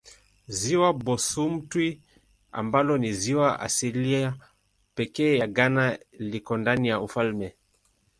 Ziwa Bosumtwi ambalo ni ziwa asilia pekee ya Ghana liko ndani ya ufalme.